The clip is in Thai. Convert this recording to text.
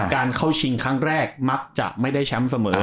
การเข้าชิงครั้งแรกมักจะไม่ได้แชมป์เสมอ